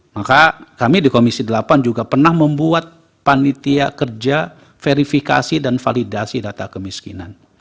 maka kami di komisi delapan juga pernah membuat panitia kerja verifikasi dan validasi data kemiskinan